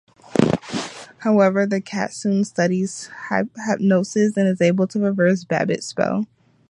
However, the cat soon studies hypnosis and is able to reverse Babbit's spell.